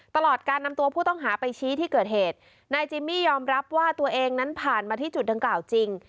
ตลอดการนำตัวผู้ต้องหาไปชี้ที่เกิดเหตุนายจิมมี่ยอมรับว่าตัวเองนั้นผ่านมาที่จุดดังกล่าวจริง